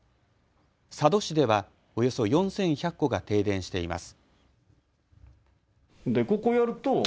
佐渡市では、およそ４１００戸が停電しています。